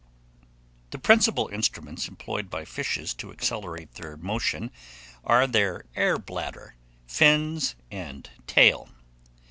THE PRINCIPAL INSTRUMENTS EMPLOYED BY FISHES to accelerate their motion, are their air bladder, fins, and tail.